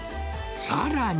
さらに。